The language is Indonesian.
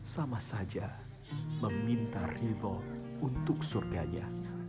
sama saja meminta ridho untuk surganya